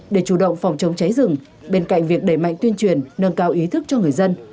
để chủ động phòng chống cháy rừng bên cạnh việc đẩy mạnh tuyên truyền nâng cao ý thức cho người dân